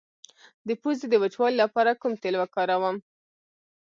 د پوزې د وچوالي لپاره کوم تېل وکاروم؟